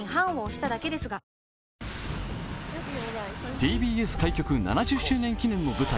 ＴＢＳ開局７０周年記念の舞台